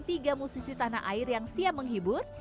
untuk menikmati posisi tanah air yang siap menghibur